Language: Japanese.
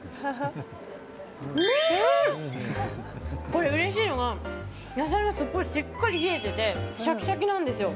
これ、うれしいのが野菜がしっかり冷えててシャキシャキなんですよ。